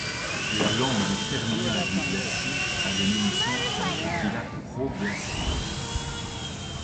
La langue terminale du glacier a donné naissance à un petit lac proglaciaire.